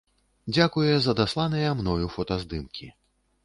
Дзякуе за дасланыя мною фотаздымкі.